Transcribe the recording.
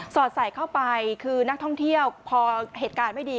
อดใส่เข้าไปคือนักท่องเที่ยวพอเหตุการณ์ไม่ดี